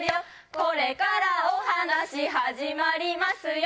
「これからお話始まりますよ」